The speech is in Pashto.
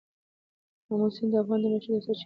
آمو سیند د افغانانو د معیشت یوه سرچینه ده.